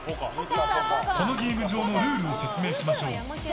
このゲーム場のルールを説明しましょう。